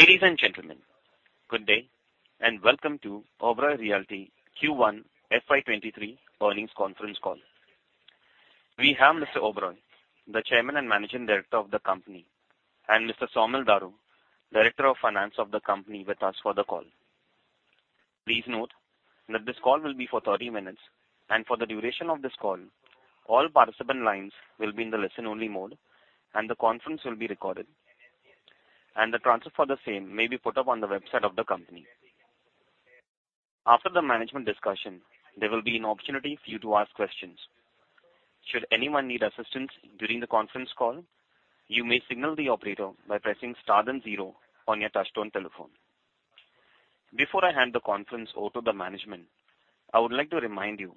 Ladies and gentlemen, good day and welcome to Oberoi Realty Q1 FY23 earnings conference call. We have Mr. Oberoi, the Chairman and Managing Director of the company, and Mr. Saumil Daru, Director of Finance of the company, with us for the call. Please note that this call will be for 30 minutes, and for the duration of this call, all participant lines will be in the listen-only mode and the conference will be recorded. The transfer for the same may be put up on the website of the company. After the management discussion, there will be an opportunity for you to ask questions. Should anyone need assistance during the conference call, you may signal the operator by pressing star then zero on your touchtone telephone. Before I hand the conference over to the management, I would like to remind you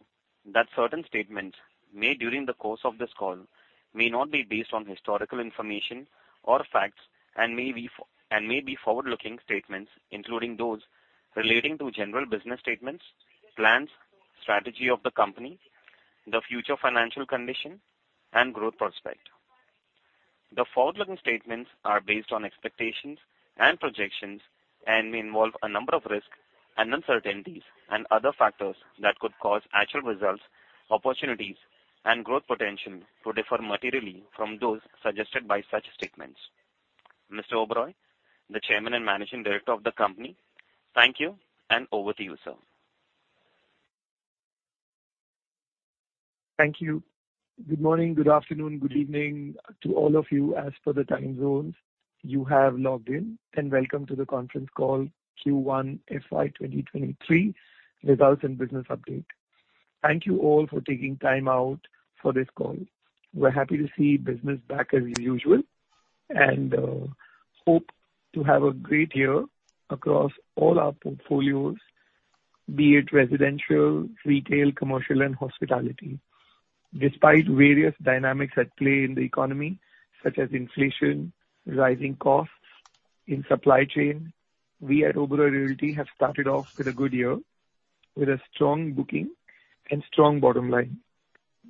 that certain statements made during the course of this call may not be based on historical information or facts and may be forward-looking statements, including those relating to general business statements, plans, strategy of the company, the future financial condition, and growth prospect. The forward-looking statements are based on expectations and projections and may involve a number of risks and uncertainties and other factors that could cause actual results, opportunities, and growth potential to differ materially from those suggested by such statements. Mr. Oberoi, the Chairman and Managing Director of the company, thank you, and over to you, sir. Thank you. Good morning, good afternoon, good evening to all of you as per the time zones you have logged in, and welcome to the conference call Q1 FY 2023 results and business update. Thank you all for taking time out for this call. We're happy to see business back as usual and hope to have a great year across all our portfolios, be it residential, retail, commercial, and hospitality. Despite various dynamics at play in the economy, such as inflation, rising costs in supply chain, we at Oberoi Realty have started off with a good year with a strong booking and strong bottom line.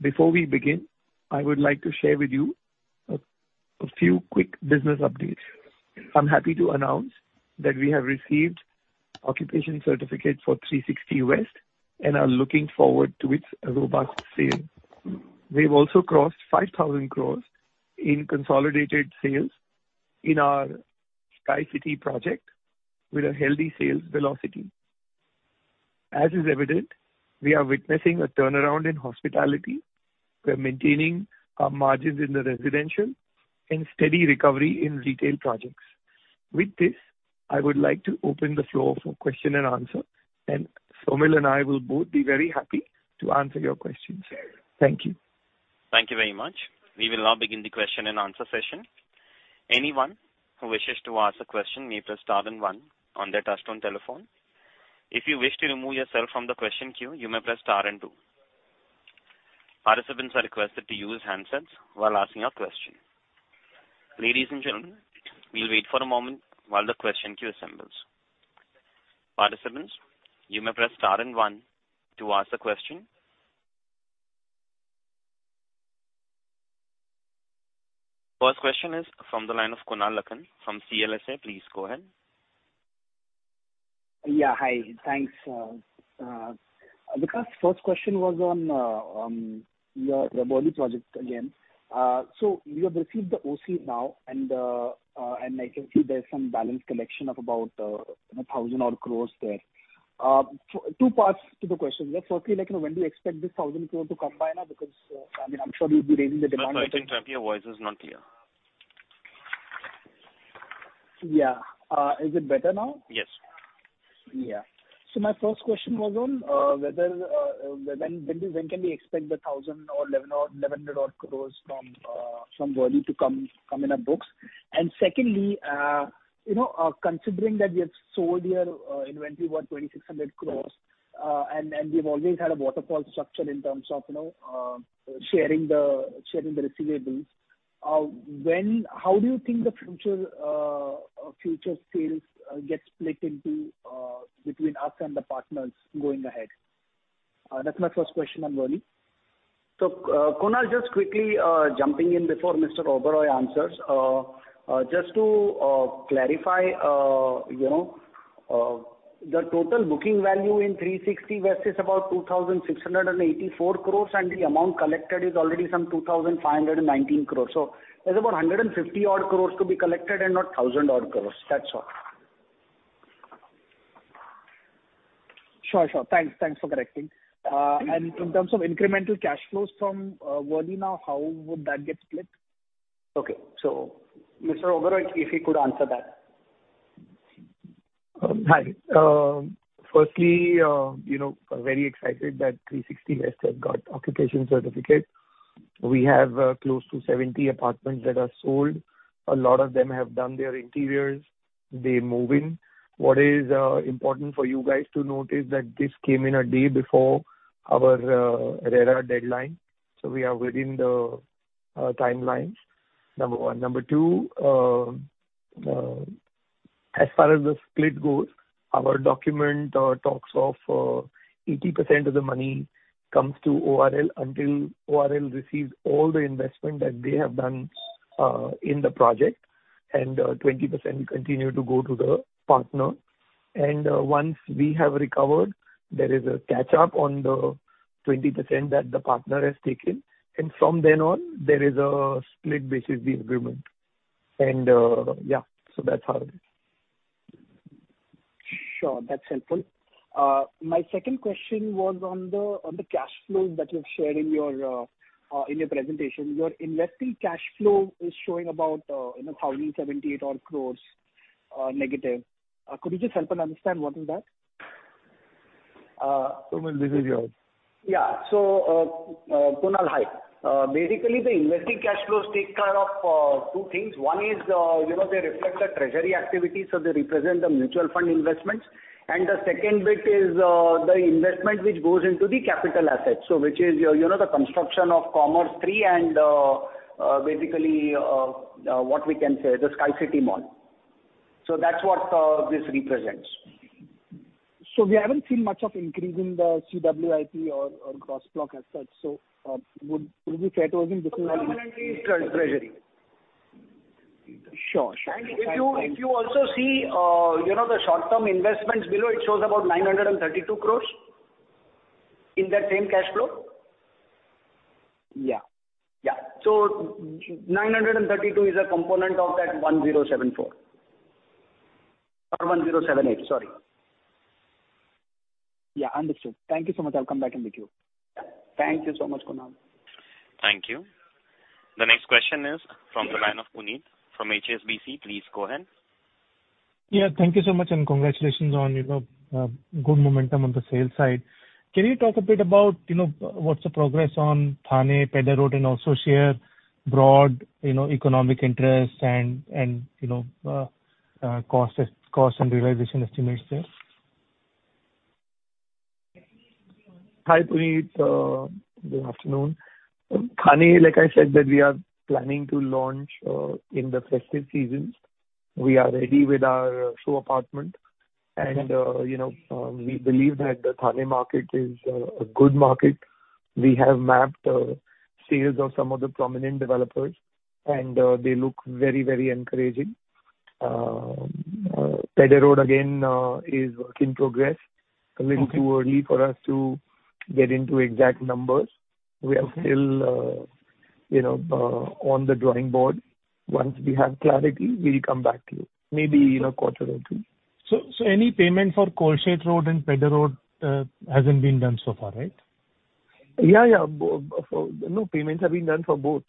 Before we begin, I would like to share with you a few quick business updates. I'm happy to announce that we have received occupancy certificate for Three Sixty West and are looking forward to its robust sale. We've also crossed 5,000 crores in consolidated sales in our Sky City project with a healthy sales velocity. As is evident, we are witnessing a turnaround in hospitality. We're maintaining our margins in the residential and steady recovery in retail projects. With this, I would like to open the floor for question and answer, and Saumil and I will both be very happy to answer your questions. Thank you. Thank you very much. We will now begin the question and answer session. Anyone who wishes to ask a question may press star then one on their touchtone telephone. If you wish to remove yourself from the question queue, you may press star and two. Participants are requested to use handsets while asking a question. Ladies and gentlemen, we'll wait for a moment while the question queue assembles. Participants, you may press star and one to ask the question. First question is from the line of Kunal Lakhan from CLSA. Please go ahead. Yeah. Hi. Thanks. Vikas, first question was on your Worli project again. You have received the OC now and I can see there's some balance collection of about 1,000 crore there. Two parts to the question. Just firstly, like when do you expect this 1,000 crore to come by now? Because I mean, I'm sure you'll be raising the demand. Sorry to interrupt, your voice is not clear. Yeah. Is it better now? Yes. Yeah. My first question was on whether, when can we expect the 1,000 crore or 1,100-odd crore from Worli to come in our books? And secondly, you know, considering that we have sold your inventory worth 2,600 crore, and we've always had a waterfall structure in terms of, you know, sharing the receivables, how do you think the future sales get split between us and the partners going ahead? That's my first question on Worli. Kunal, just quickly, jumping in before Mr. Oberoi answers. Just to clarify, you know, the total booking value in Three Sixty West is about 2,684 crores, and the amount collected is already some 2,519 crores. There's about 150 odd crores to be collected and not 1,000 odd crores. That's all. Sure. Thanks for correcting. In terms of incremental cash flows from Worli now, how would that get split? Okay. Mr. Oberoi, if he could answer that. Hi. Firstly, you know, very excited that Three Sixty West has got occupation certificate. We have close to 70 apartments that are sold. A lot of them have done their interiors. They move in. What is important for you guys to note is that this came in a day before our RERA deadline, so we are within the timelines, number one. Number two, as far as the split goes. Our document talks of 80% of the money comes to ORL until ORL receives all the investment that they have done in the project, and 20% continue to go to the partner. Once we have recovered, there is a catch-up on the 20% that the partner has taken. From then on, there is a split based on the agreement. Yeah, so that's how it is. Sure. That's helpful. My second question was on the cash flows that you've shared in your presentation. Your investing cash flow is showing about -1,078 crores. Could you just help understand what is that? Saumil, this is yours. Yeah, Kunal, hi. Basically, the investing cash flows take care of two things. One is, you know, they reflect the treasury activity, so they represent the mutual fund investments. The second bit is the investment which goes into the capital assets. Which is your, you know, the construction of Commerz III and basically what we can say, the Sky City Mall. That's what this represents. We haven't seen much of an increase in the CWIP or gross block as such. Would it be fair to assume this is all? Permanently treasury. Sure. If you also see the short-term investments below, it shows about 932 crore in that same cash flow. Yeah. Yeah. 932 is a component of that 1,074 crore. Or 1,078 crore, sorry. Yeah. Understood. Thank you so much. I'll come back to you. Thank you so much, Kunal. Thank you. The next question is from the line of Puneet from HSBC. Please go ahead. Yeah, thank you so much, and congratulations on, you know, good momentum on the sales side. Can you talk a bit about, you know, what's the progress on Thane, Pedder Road, and also share broad, you know, economic interest and, you know, cost and realization estimates there? Hi, Puneet. Good afternoon. Thane, like I said, that we are planning to launch in the festive season. We are ready with our show apartment. You know, we believe that the Thane market is a good market. We have mapped sales of some of the prominent developers, and they look very, very encouraging. Pedder Road, again, is work in progress. A little too early for us to get into exact numbers. We are still, you know, on the drawing board. Once we have clarity, we'll come back to you. Maybe in a quarter or two. Any payment for Pedder Road hasn't been done so far, right? Yeah, yeah. No, payments have been done for both.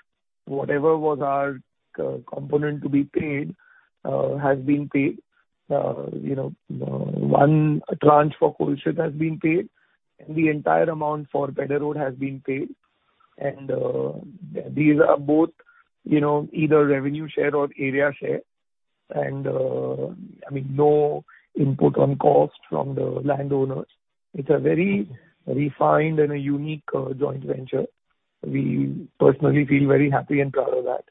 Whatever was our component to be paid has been paid. You know, one tranche for Kolshet has been paid, and the entire amount for Pedder Road has been paid. And these are both, you know, either revenue share or area share. And I mean, no input on cost from the landowners. It's a very refined and a unique joint venture. We personally feel very happy and proud of that.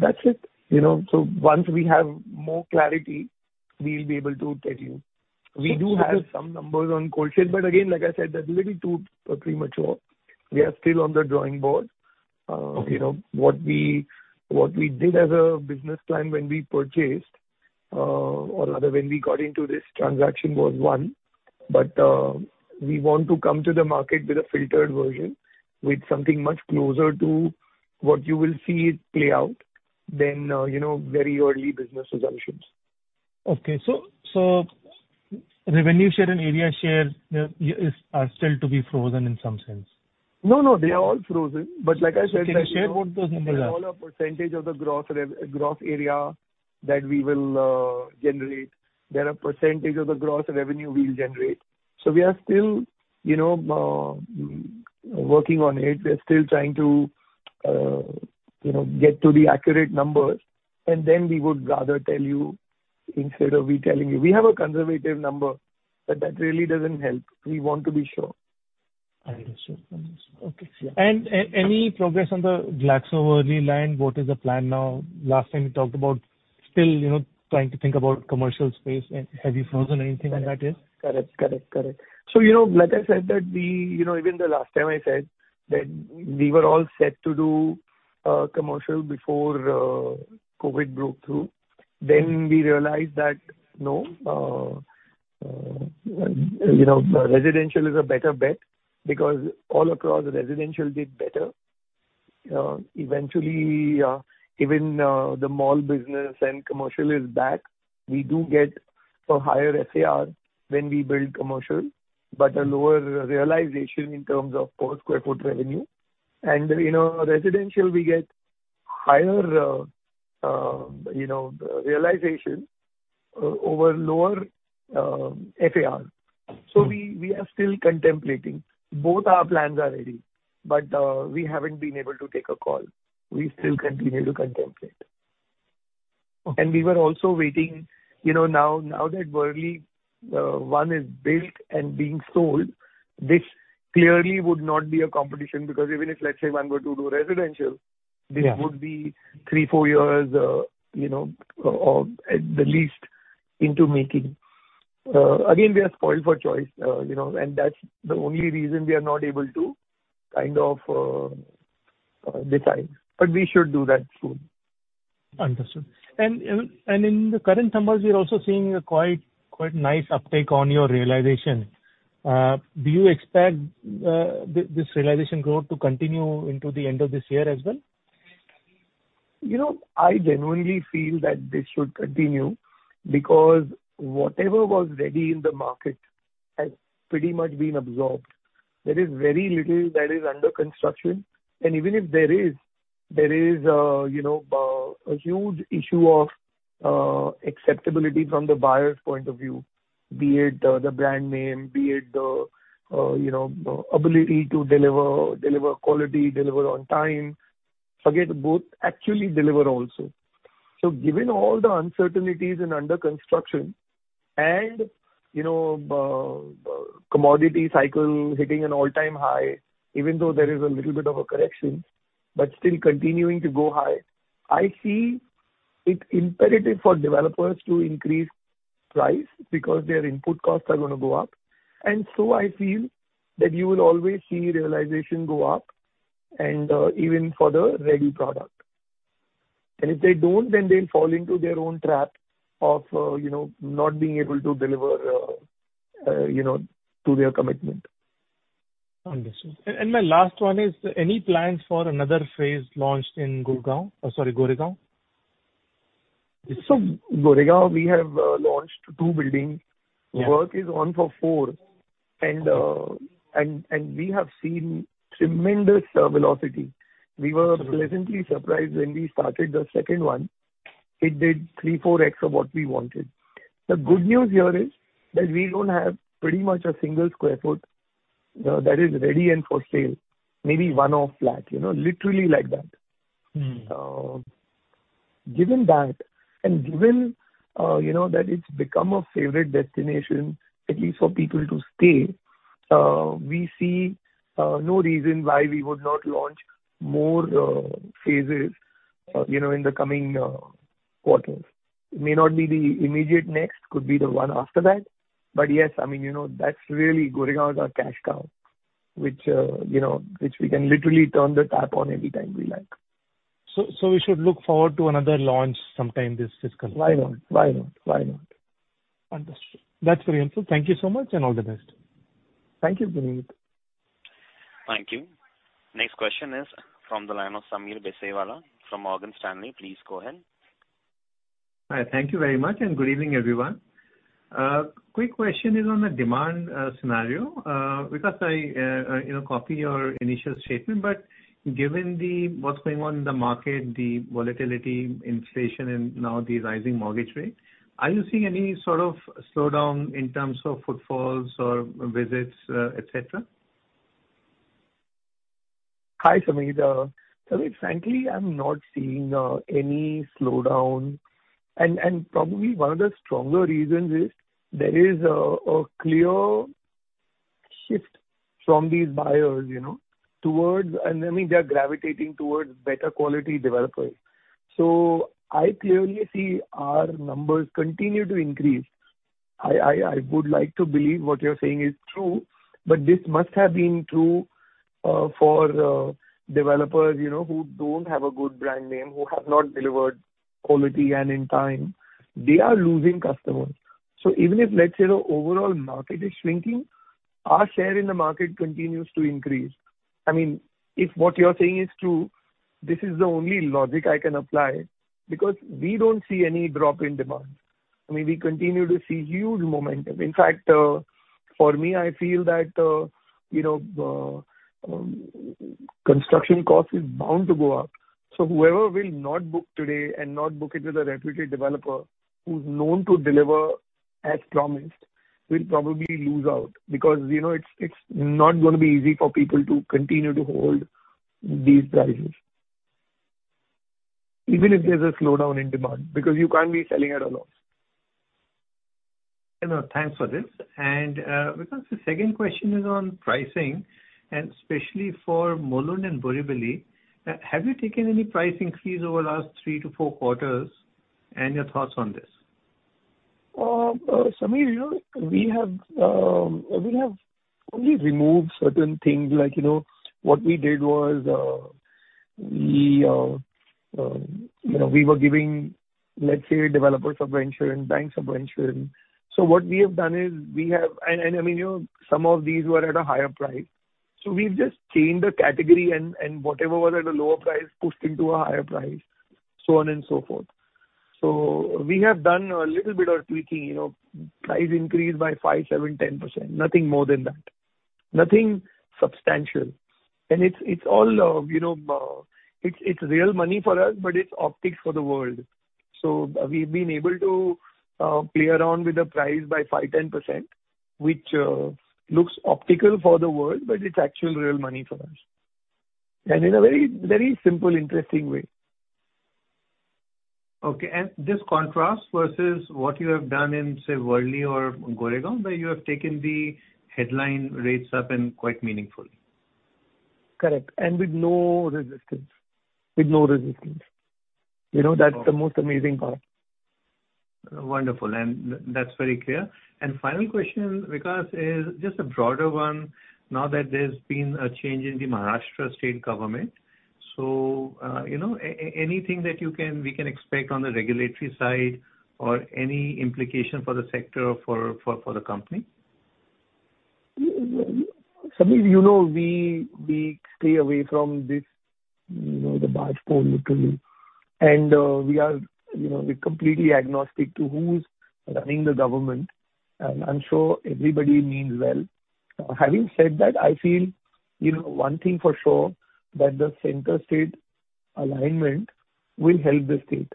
That's it. You know, once we have more clarity, we'll be able to tell you. We do have some numbers on Kolshet, but again, like I said, they're a little too premature. We are still on the drawing board. You know, what we did as a business plan when we purchased, or rather when we got into this transaction was one. We want to come to the market with a filtered version, with something much closer to what you will see play out than, you know, very early business assumptions. Okay. Revenue share and area share are still to be frozen in some sense. No, no, they are all frozen. Like I said, you know. Can you share what those numbers are? They're all a percentage of the gross area that we will generate. They're a percentage of the gross revenue we'll generate. We are still, you know, working on it. We're still trying to, you know, get to the accurate numbers, and then we would rather tell you instead of we telling you. We have a conservative number, but that really doesn't help. We want to be sure. I understand. Okay. Any progress on the Glaxo Worli land? What is the plan now? Last time you talked about still, you know, trying to think about commercial space. Have you frozen anything on that yet? Correct. Like I said that we, you know, even the last time I said that we were all set to do commercial before COVID broke through. We realized that, no, you know, residential is a better bet because all across the residential did better. Eventually, even the mall business and commercial is back. We do get a higher FAR when we build commercial, but a lower realization in terms of per square foot revenue. You know, residential we get higher realization over lower FAR. We are still contemplating. Both our plans are ready, but we haven't been able to take a call. We still continue to contemplate. Okay. We were also waiting, you know, now that Worli one is built and being sold, this clearly would not be a competition because even if, let's say, if I'm going to do residential. This would be three to four years, you know, or at the least in the making. Again, we are spoiled for choice, you know, and that's the only reason we are not able to kind of decide, but we should do that soon. Understood. In the current numbers, we are also seeing a quite nice uptake on your realization. Do you expect this realization growth to continue into the end of this year as well? You know, I genuinely feel that this should continue because whatever was ready in the market has pretty much been absorbed. There is very little that is under construction. Even if there is, you know, a huge issue of acceptability from the buyer's point of view, be it the brand name, be it the ability to deliver quality, deliver on time. Forget both actually deliver also. Given all the uncertainties and under construction and, you know, commodity cycle hitting an all-time high, even though there is a little bit of a correction, but still continuing to go high, I see it's imperative for developers to increase price because their input costs are gonna go up. I feel that you will always see realization go up and even for the ready product. If they don't, then they'll fall into their own trap of, you know, not being able to deliver, you know, to their commitment. Understood. My last one is, any plans for another phase launched in Goregaon? Goregaon, we have launched two buildings. Yeah. Work is on for four. We have seen tremendous velocity. We were pleasantly surprised when we started the second one. It did 3-4x of what we wanted. The good news here is that we don't have pretty much a single square foot that is ready and for sale. Maybe one-off flat, you know, literally like that. Given that, you know, that it's become a favorite destination, at least for people to stay, we see no reason why we would not launch more phases, you know, in the coming quarters. It may not be the immediate next. Could be the one after that. Yes, I mean, you know, that's really Goregaon, our cash cow, which, you know, we can literally turn the tap on anytime we like. We should look forward to another launch sometime this fiscal? Why not? Understood. That's very helpful. Thank you so much, and all the best. Thank you, Puneet. Thank you. Next question is from the line of Sameer Baisiwala from Morgan Stanley. Please go ahead. Hi. Thank you very much, and good evening, everyone. Quick question is on the demand scenario, because I, you know, echo your initial statement, but given what's going on in the market, the volatility, inflation, and now the rising mortgage rate, are you seeing any sort of slowdown in terms of footfalls or visits, et cetera? Hi, Sameer. Sameer, frankly, I'm not seeing any slowdown. Probably one of the stronger reasons is there is a clear shift from these buyers, you know, towards better quality developers. I mean, they're gravitating towards better quality developers. I clearly see our numbers continue to increase. I would like to believe what you're saying is true, but this must have been true for developers, you know, who don't have a good brand name, who have not delivered quality and in time. They are losing customers. Even if, let's say the overall market is shrinking, our share in the market continues to increase. I mean, if what you're saying is true, this is the only logic I can apply because we don't see any drop in demand. I mean, we continue to see huge momentum. In fact, for me, I feel that, you know, construction cost is bound to go up. Whoever will not book today and not book it with a reputed developer who's known to deliver as promised will probably lose out because, you know, it's not gonna be easy for people to continue to hold these prices. Even if there's a slowdown in demand, because you can't be selling at a loss. You know, thanks for this. Vikas, the second question is on pricing, and especially for Mulund and Borivali. Have you taken any price increase over the last three to four quarters, and your thoughts on this? Sameer, you know, we have only removed certain things like, you know, what we did was, we were giving, let's say, developer subvention, bank subvention. What we have done is we have. I mean, you know, some of these were at a higher price. We've just changed the category and whatever was at a lower price pushed into a higher price, so on and so forth. We have done a little bit of tweaking, you know, price increase by 5%, 7%, 10%, nothing more than that. Nothing substantial. It's all, you know, it's real money for us, but it's optics for the world. We've been able to play around with the price by 5%-10%, which looks optical for the world, but it's actual real money for us. In a very, very simple, interesting way. Okay. This contrast versus what you have done in, say, Worli or Goregaon, where you have taken the headline rates up and quite meaningfully. Correct. With no resistance. You know, that's the most amazing part. Wonderful. That's very clear. Final question, Vikas, is just a broader one. Now that there's been a change in the Maharashtra state government, you know, anything that you can, we can expect on the regulatory side or any implication for the sector or for the company? Samir, you know, we stay away from this, you know, the bargepole, literally. You know, we're completely agnostic to who's running the government. I'm sure everybody means well. Having said that, I feel, you know, one thing for sure, that the center-state alignment will help the state.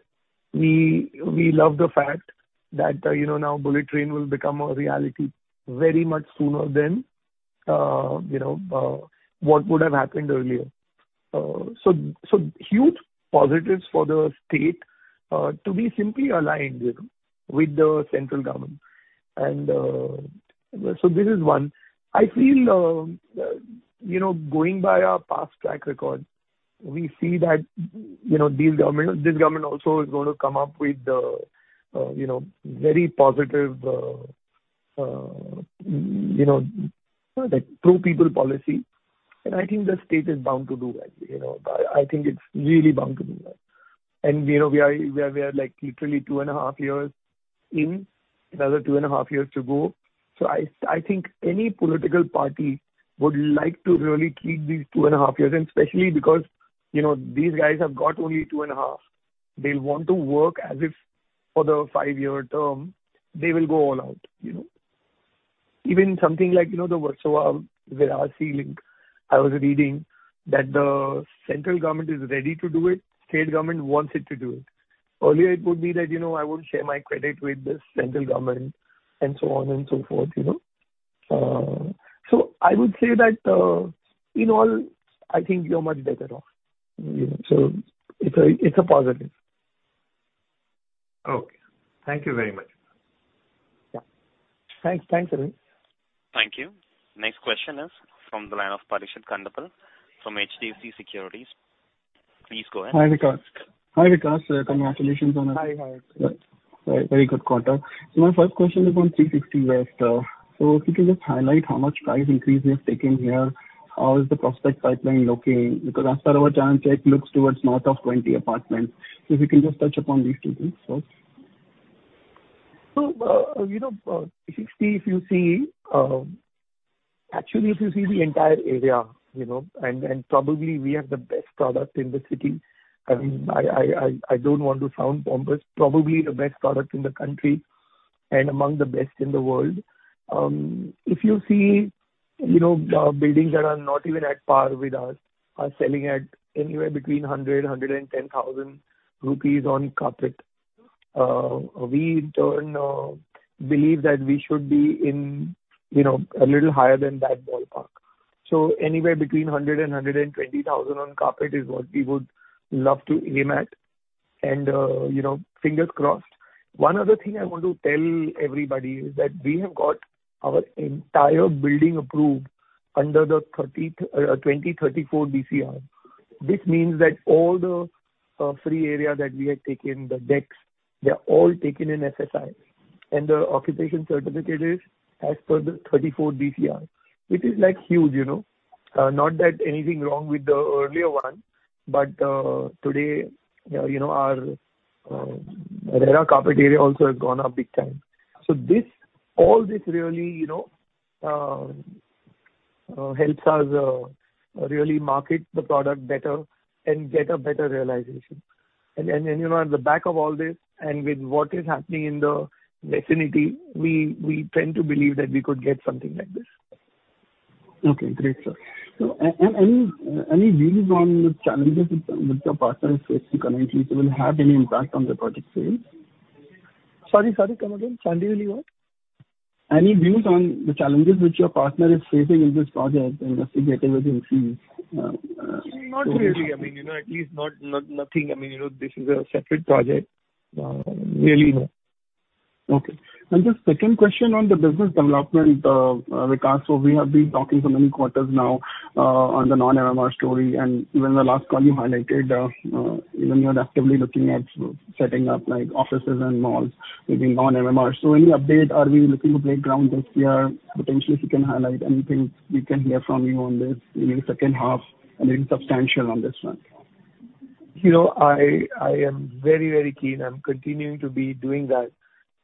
We love the fact that, you know, now bullet train will become a reality very much sooner than, you know, what would have happened earlier. So huge positives for the state to be simply aligned, you know, with the central government. So this is one. I feel, you know, going by our past track record, we see that, you know, this government also is gonna come up with, you know, very positive, you know, like, pro-people policy. I think the state is bound to do that, you know. I think it's really bound to do that. You know, we are, like, literally two and a half years in, another two and a half years to go. I think any political party would like to really keep these two and a half years, and especially because, you know, these guys have got only two and a half. They'll want to work as if for the five-year term. They will go all out, you know. Even something like, you know, the Versova-Virar link, I was reading that the central government is ready to do it, state government wants it to do it. Earlier, it would be that, you know, I won't share my credit with the central government and so on and so forth, you know. I would say that, in all, I think we are much better off. You know, it's a positive. Okay. Thank you very much. Yeah. Thanks. Thanks, Samir. Thank you. Next question is from the line of Parikshit Kandpal from HDFC Securities. Please go ahead. Hi, Vikas. Congratulations on a- Hi. Hi. Very, very good quarter. My first question is on Three Sixty West. If you can just highlight how much price increase you have taken here. How is the prospect pipeline looking? Because as per our channel check looks towards north of 20 apartments. If you can just touch upon these two things first. You know, if you see, actually, the entire area, you know, and probably we have the best product in the city. I mean, I don't want to sound pompous, probably the best product in the country and among the best in the world. If you see, you know, buildings that are not even at par with ours are selling at anywhere between 100,000-110,000 rupees on carpet. We don't believe that we should be in, you know, a little higher than that ballpark. Anywhere between 100,000-120,000 on carpet is what we would love to aim at. You know, fingers crossed. One other thing I want to tell everybody is that we have got our entire building approved under the 2034 DCR. This means that all the free area that we had taken, the decks, they're all taken in FSI. The occupation certificate is as per the 2034 DCR, which is like huge, you know. Not that anything wrong with the earlier one, but today, you know, our carpet area also has gone up big time. This, all this really, you know, helps us really market the product better and get a better realization. You know, at the back of all this and with what is happening in the vicinity, we tend to believe that we could get something like this. Okay, great, sir. Any views on the challenges with your partner is facing currently that will have any impact on the project sales? Sorry. Come again. Sorry, really what? Any views on the challenges which your partner is facing in this project and if it will increase? Not really. I mean, you know, at least not nothing. I mean, you know, this is a separate project. Really no. Okay. The second question on the business development, Vikas. We have been talking for many quarters now on the non-MMR story. Even the last call you highlighted, even you are actively looking at setting up like offices and malls within non-MMR. Any update? Are we looking to break ground this year? Potentially, if you can highlight anything we can hear from you on this in the second half, I mean, substantial on this front. You know, I am very keen. I'm continuing to be doing that.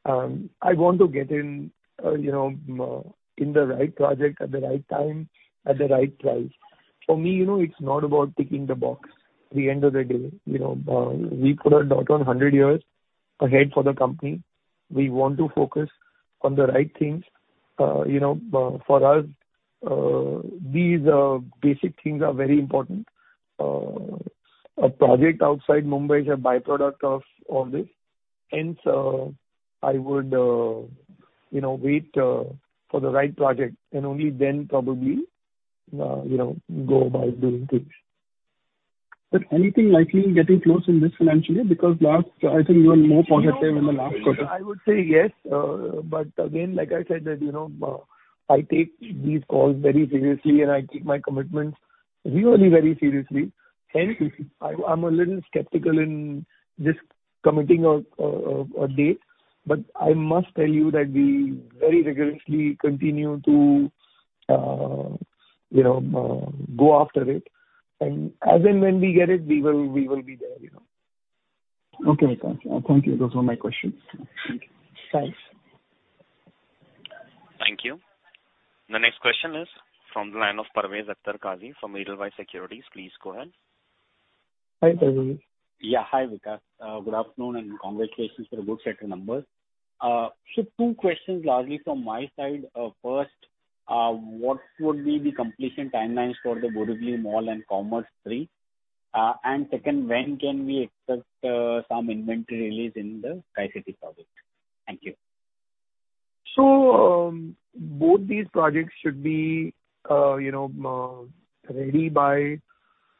I want to get in, you know, in the right project at the right time, at the right price. For me, you know, it's not about ticking the box at the end of the day. You know, we put a dot on hundred years ahead for the company. We want to focus on the right things. You know, for us, these basic things are very important. A project outside Mumbai is a by-product of all this. Hence, I would, you know, wait for the right project and only then probably, you know, go about doing things. Anything likely getting close in this financial year? Because last, I think you were more positive in the last quarter. I would say yes. Again, like I said that, you know, I take these calls very seriously and I take my commitments really very seriously. Hence, I'm a little skeptical in just committing a date. I must tell you that we very vigorously continue to, you know, go after it. As and when we get it, we will be there, you know. Okay. Thank you. Those were my questions. Thanks. Thank you. The next question is from the line of Parvez Akhtar Qazi from Edelweiss Securities. Please go ahead. Hi, Parvez. Yeah. Hi, Vikas. Good afternoon and congratulations for the good set of numbers. Two questions largely from my side. First, what would be the completion timelines for the Sky City Mall and Commerz III? Second, when can we expect some inventory release in the Sky City project? Thank you. Both these projects should be, you know, ready by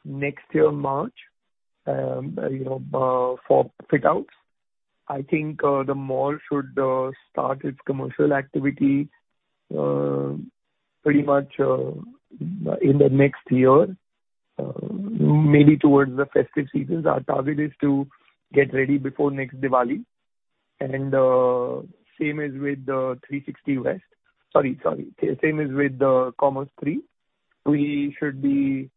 next year March, for fit-outs. I think the mall should start its commercial activity, pretty much, in the next year, maybe towards the festive seasons. Our target is to get ready before next Diwali. Same as with the Commerz III. We should be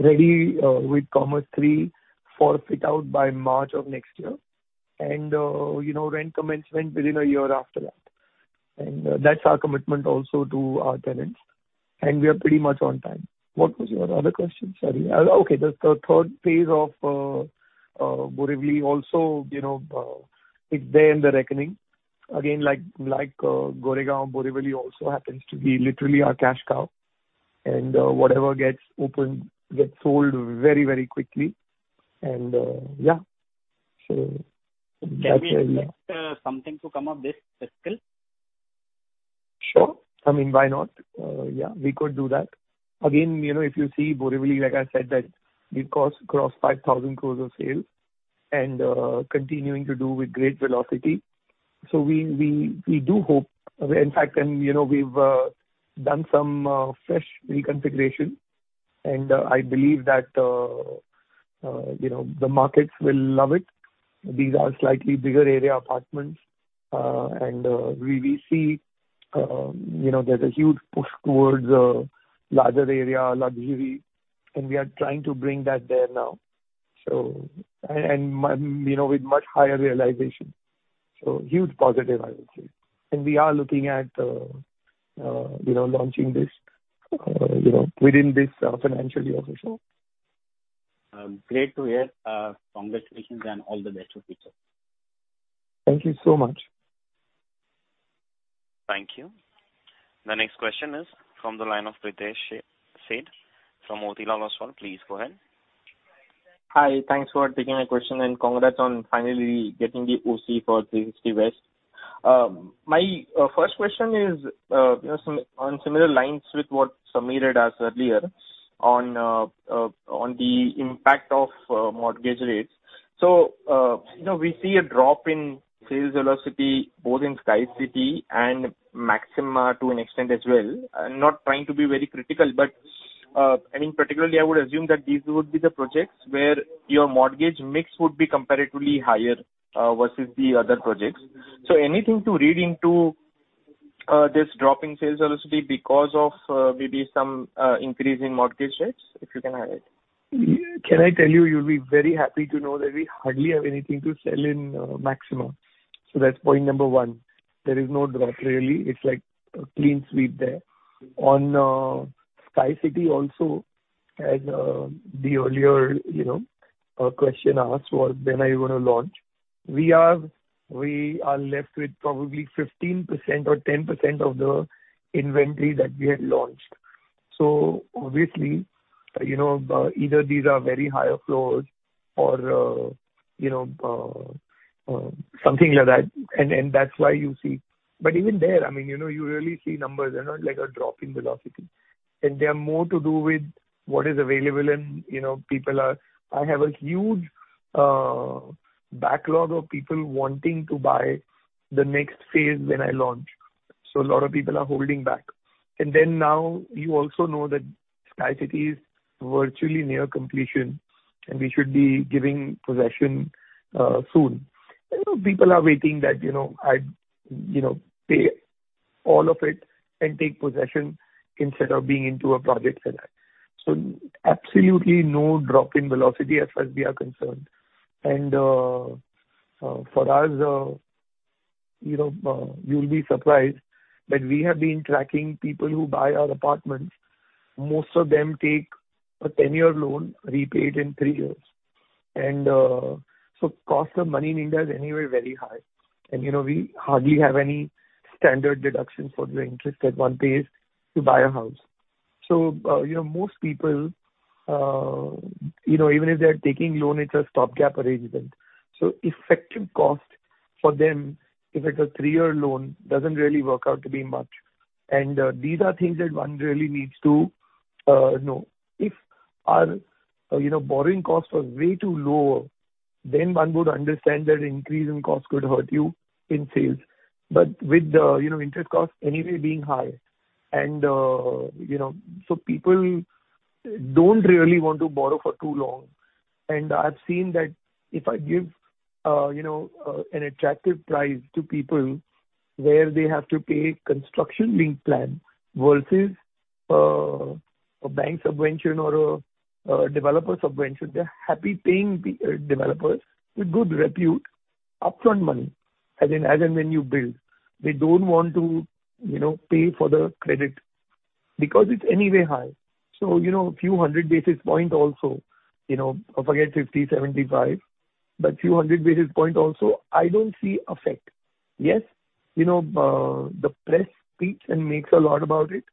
ready with Commerz III for fit-out by March of next year. You know, rent commencement within a year after that. That's our commitment also to our tenants, and we are pretty much on time. What was your other question? Sorry. Okay. The third phase of Borivali also, you know, is there in the reckoning. Again, like, Goregaon, Borivali also happens to be literally our cash cow. Yeah. Can we expect something to come up this fiscal? Sure. I mean, why not? Yeah, we could do that. Again, you know, if you see Borivali, like I said, that it clocks across 5,000 crores of sales and continuing to do so with great velocity. We do hope. In fact, you know, we've done some fresh reconfiguration, and I believe that you know, the markets will love it. These are slightly bigger area apartments and we see you know, there's a huge push towards larger area luxury, and we are trying to bring that there now. You know, with much higher realization. Huge positive, I would say. We are looking at you know, launching this you know, within this financial year for sure. Great to hear. Congratulations and all the best for future. Thank you so much. Thank you. The next question is from the line of Pritesh Sheth from Motilal Oswal. Please go ahead. Hi. Thanks for taking my question, and congrats on finally getting the OC for Three Sixty West. My first question is, you know, on similar lines with what Sameer had asked earlier on the impact of mortgage rates. You know, we see a drop in sales velocity both in Sky City and Maxima to an extent as well. I'm not trying to be very critical, but, I mean, particularly I would assume that these would be the projects where your mortgage mix would be comparatively higher, versus the other projects. Anything to read into this drop in sales velocity because of maybe some increase in mortgage rates, if you can add it? Can I tell you'll be very happy to know that we hardly have anything to sell in Maxima. That's point number one. There is no drop really. It's like a clean sweep there. On Sky City also, as the earlier question asked was when are you gonna launch? We are left with probably 15% or 10% of the inventory that we had launched. Obviously, you know, either these are very high floors or you know, something like that. That's why you see. Even there, I mean, you know, you really see numbers. They're not like a drop in velocity. They are more to do with what is available and, you know, people are. I have a huge backlog of people wanting to buy the next phase when I launch. A lot of people are holding back. Then now you also know that Sky City is virtually near completion, and we should be giving possession, soon. You know, people are waiting that, you know, I'd, you know, pay all of it and take possession instead of being into a project like that. Absolutely no drop in velocity as far as we are concerned. For us, you know, you'll be surprised that we have been tracking people who buy our apartments. Most of them take a 10-year loan, repaid in thee years. So cost of money in India is anyway very high. You know, we hardly have any standard deduction for the interest that one pays to buy a house. You know, most people, you know, even if they're taking loan, it's a stopgap arrangement. Effective cost for them, if it's a three-year loan, doesn't really work out to be much. These are things that one really needs to know. If our, you know, borrowing costs were way too low, then one would understand that increase in cost could hurt you in sales. With the, you know, interest costs anyway being high and you know. People don't really want to borrow for too long. I've seen that if I give, you know, an attractive price to people where they have to pay construction-linked plan versus a bank subvention or a developer subvention, they're happy paying the developers with good repute upfront money as in, as and when you build. They don't want to, you know, pay for the credit because it's anyway high. You know, a few hundred basis points also, you know, forget 50, 75, but I don't see effect. Yes, you know, the press speaks and makes a lot about it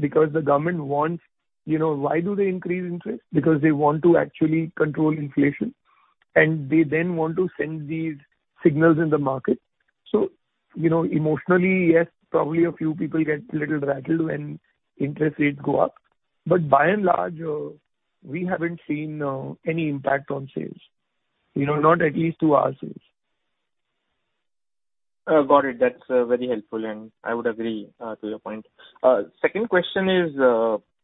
because the government wants. You know, why do they increase interest rates? Because they want to actually control inflation, and they then want to send these signals in the market. You know, emotionally, yes, probably a few people get a little rattled when interest rates go up, but by and large, we haven't seen any impact on sales. You know, not at least to our sales. Got it. That's very helpful, and I would agree to your point. Second question is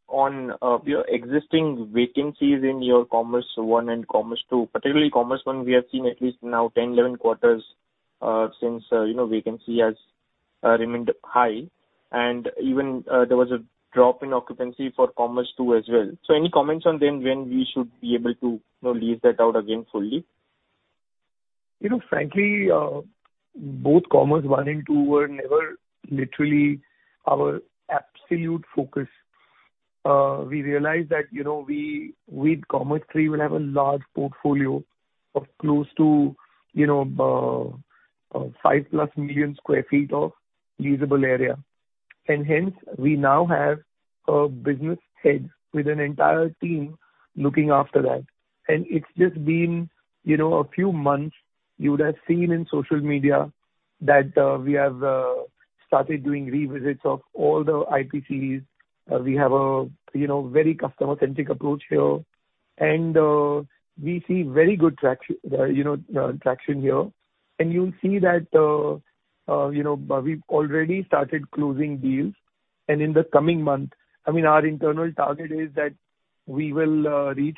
on your existing vacancies in your Commerz I and Commerz II. Particularly Commerz I, we have seen at least now 10, 11 quarters since you know vacancy has remained high. Even there was a drop in occupancy for Commerz II as well. Any comments on them when we should be able to you know lease that out again fully? You know, frankly, both Commerz I and Commerz II were never literally our absolute focus. We realized that, you know, we, with Commerz III, will have a large portfolio of close to, you know, 5+ million sq ft of leasable area. Hence we now have a business head with an entire team looking after that. It's just been, you know, a few months. You would have seen in social media that we have started doing revisits of all the IPCs. We have a, you know, very customer-centric approach here. We see very good traction here. You'll see that, you know, we've already started closing deals. In the coming month, I mean, our internal target is that we will reach,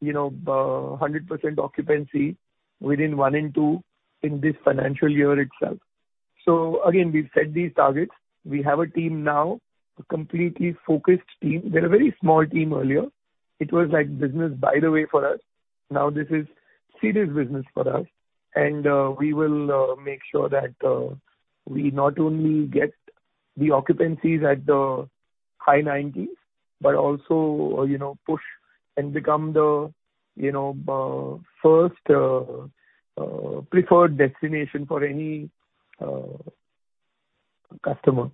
you know, 100% occupancy within Commerz I and II in this financial year itself. We've set these targets. We have a team now, a completely focused team. We had a very small team earlier. It was like business by the way for us. Now this is serious business for us. We will make sure that we not only get the occupancies at the high 90s% but also, you know, push and become the, you know, first preferred destination for any customer.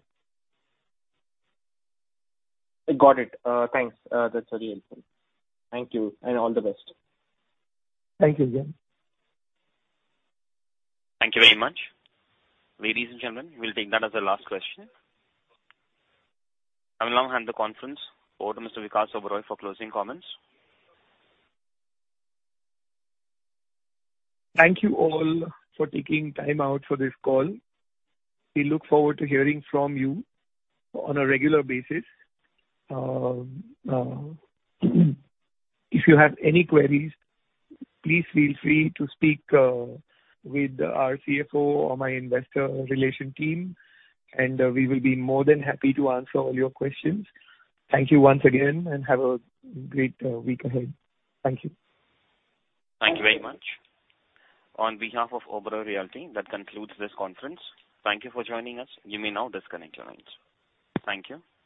Got it. Thanks. That's very helpful. Thank you, and all the best. Thank you, again. Thank you very much. Ladies and gentlemen, we'll take that as the last question. I will now hand the conference over to Mr. Vikas Oberoi for closing comments. Thank you all for taking time out for this call. We look forward to hearing from you on a regular basis. If you have any queries, please feel free to speak with our CFO or my investor relations team, and we will be more than happy to answer all your questions. Thank you once again, and have a great week ahead. Thank you. Thank you very much. On behalf of Oberoi Realty, that concludes this conference. Thank you for joining us. You may now disconnect your lines. Thank you.